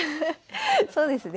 そうですね。